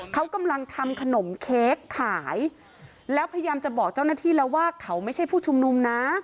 เขากำลังทำขนมเค้กขายแล้วพยายามจะบอกเจ้าหน้าที่แล้วว่าเขาไม่ใช่ผู้ชุมนุมนะ